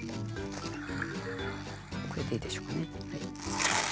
これでいいでしょうかね。